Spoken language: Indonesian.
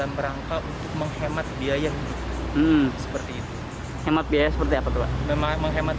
waktu waktu mungkin ada penyekatan atau lebih ketat